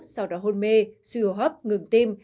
sau đó hôn mê suy hô hấp ngừng tim